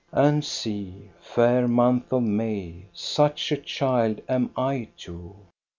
And see, fair month of May, such a child am I too.